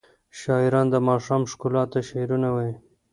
شاعران د ماښام ښکلا ته شعرونه وايي.